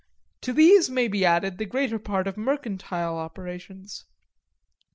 To these may be added the greater part of mercantile occupations.